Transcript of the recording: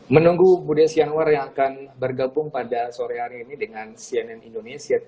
menunggu budi desian war yang akan bergabung pada sore hari ini dengan sian indonesia tv